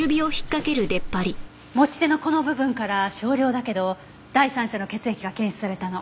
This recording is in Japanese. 持ち手のこの部分から少量だけど第三者の血液が検出されたの。